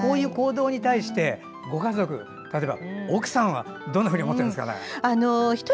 こういう行動に対してご家族、奥さんはどんなふうに思ってるんですかね。